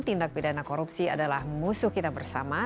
tindak pidana korupsi adalah musuh kita bersama